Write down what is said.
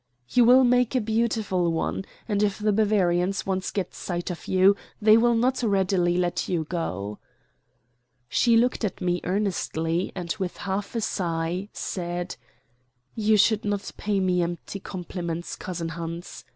"You will make a beautiful one; and if the Bavarians once get sight of you, they will not readily let you go." She looked at me earnestly and, with half a sigh, said: "You should not pay me empty compliments, cousin Hans.